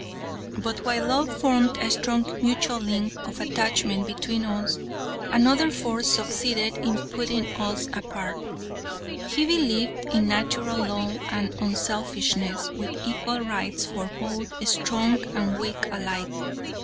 But while love formed a strong mutual link of attachment between us, another force succeeded in putting us apart. "'He believed in Natural Law and unselfishness, with equal rights for both strong and weak alike.